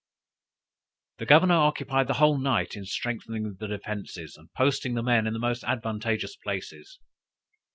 _] The governor occupied the whole night in strengthening the defences and posting the men in the most advantageous places.